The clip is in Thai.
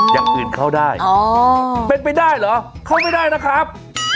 อย่างอื่นเข้าได้เป็นไปได้เหรอเข้าไม่ได้นะครับ